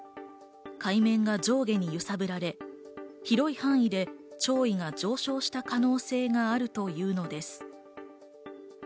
海面が上下に揺さぶられ、広い範囲で潮位が上昇した可能性があるというのです。